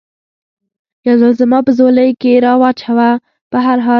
یو ځل زما په ځولۍ کې را و چوه، په هر حال.